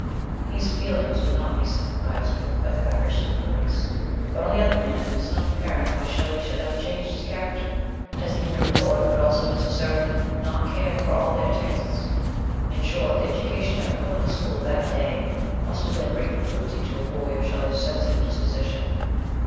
These feelings would not be sympathised with by the average of schoolboys; but, on the other hand, it is not apparent why Shelley should have changed his character, as the embryo poet would also necessarily not care for all their tastes. In short, the education at a public school of that day must have been a great cruelty to a boy of Shelley's sensitive dis position.